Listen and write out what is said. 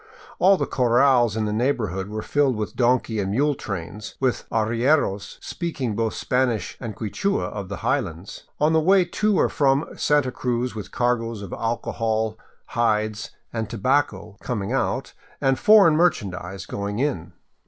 All the corrals in the neighborhood were filled with donkey and mule trains, with arrieros speaking both Spanish and the Quichua of the highlands, on the way to or from Santa Cruz with cargoes of alcohol, hides, and tobacco coming out and foreign merchandise going in.